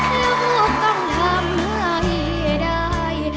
แล้วพวกต้องทำไม่ได้